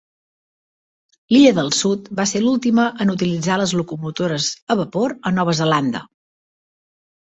L'Illa del Sud va ser l'última en utilitzar les locomotores a vapor a Nova Zelanda.